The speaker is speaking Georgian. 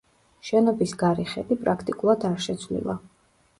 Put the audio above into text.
შენობის გარე ხედი პრაქტიკულად არ შეცვლილა.